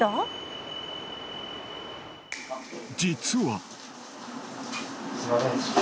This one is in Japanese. ［実は］